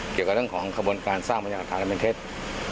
เกี่ยวกับเรื่องของคบลการสร้างปัญหาฐานเป็นเท็จ